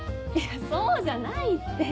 そうじゃないって！